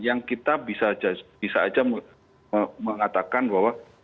yang kita bisa saja mengatakan bahwa